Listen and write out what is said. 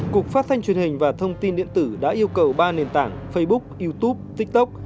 cục phát thanh truyền hình và thông tin điện tử đã yêu cầu ba nền tảng facebook youtube tiktok